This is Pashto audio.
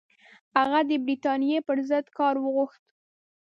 هغه د برټانیې پر ضد کار وغوښت.